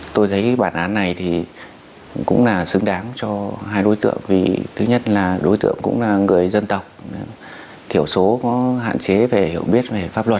tôi thấy bản án này thì cũng là xứng đáng cho hai đối tượng vì thứ nhất là đối tượng cũng là người dân tộc thiểu số có hạn chế về hiểu biết về pháp luật